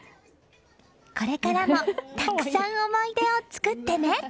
これからもたくさん思い出を作ってね。